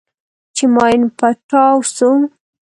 چې ماين پټاو سو.